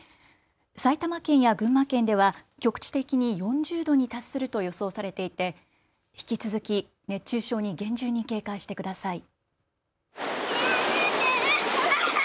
埼玉県や群馬県では局地的に４０度に達すると予想されていて引き続き熱中症に厳重に警戒してください。